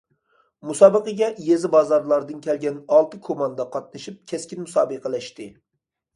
مۇسابىقىگە يېزا- بازارلاردىن كەلگەن ئالتە كوماندا قاتنىشىپ كەسكىن مۇسابىقىلەشتى.